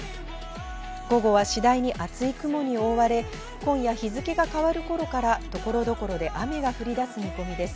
午後は次第に厚い雲に覆われ、今夜、日付が変わる頃から所々で雨が降り出す見込みです。